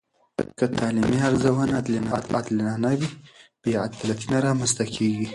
که تعلیمي ارزونه عادلانه وي، بې عدالتي نه رامنځته کېږي.